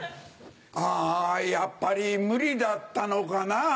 あやっぱり無理だったのかな。